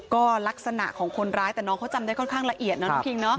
ก็ลักษณะของคนร้ายแต่น้องเขาจำได้ค่อนข้างละเอียดนะน้องคิงเนอ